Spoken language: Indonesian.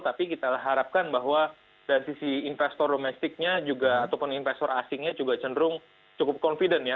tapi kita harapkan bahwa dari sisi investor domestiknya juga ataupun investor asingnya juga cenderung cukup confident ya